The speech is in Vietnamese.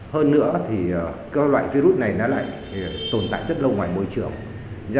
hơn nữa các loại virus này tồn tại rất lâu ngoài môi trường